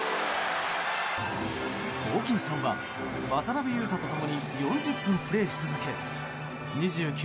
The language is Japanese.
ホーキンソンは渡邊雄太と共に４０分プレーし続け２９